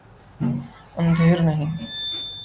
اندھیر نہیں۔